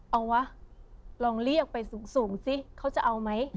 เอาวะลองเรียกไปสูงสิเขาจะเอาไหม